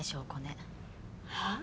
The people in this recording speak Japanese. はあ？